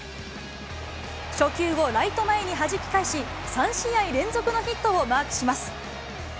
初球をライト前にはじき返し、３試合連続のヒットをマークします。